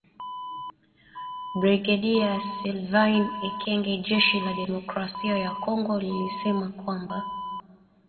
Brigedia Sylvain Ekenge jeshi la Demokrasia ya Kongo lilisema kwamba